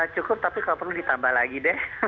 cukup tapi kalau perlu ditambah lagi deh